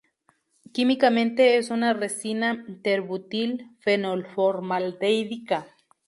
Químicamente es una resina p-ter-butil-fenolformaldeídica.